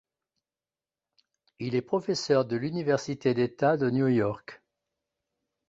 Il est professeur de l'Université d'État de New York.